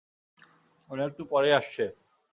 ওরা একটু পরেই আসছে।